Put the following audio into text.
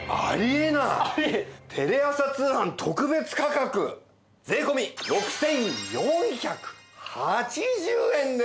テレ朝通販特別価格税込６４８０円でございます。